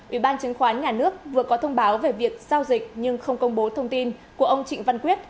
ủy ban chứng khoán nhà nước vừa có thông báo về việc giao dịch nhưng không công bố thông tin của ông trịnh văn quyết